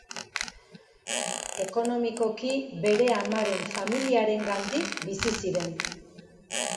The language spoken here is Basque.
Ekonomikoki bere amaren familiarengatik bizi ziren.